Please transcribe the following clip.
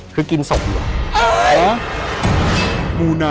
คือกินสกหรอ